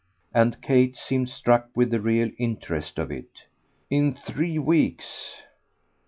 And Kate seemed struck with the real interest of it. "In three weeks!"